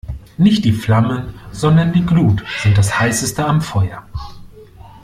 Nicht die Flammen, sondern die Glut sind das Heißeste am Feuer.